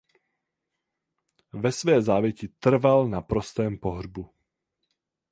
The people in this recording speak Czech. Ve své závěti trval na prostém pohřbu.